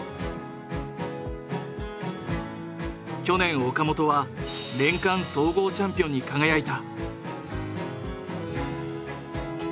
去年岡本は年間総合チャンピオンに輝いた。